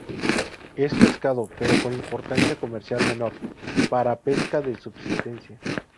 Es pescado, pero con importancia comercial menor, para pesca de subsistencia.